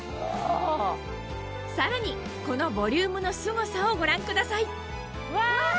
さらにこのボリュームのすごさをご覧くださいうわ！